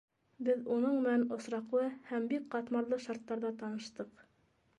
Беҙ уның менән осраҡлы һәм бик ҡатмарлы шарттарҙа таныштыҡ.